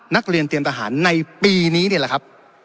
นักเรียนเตรียมทหารในปีนี้นี่แหละครับ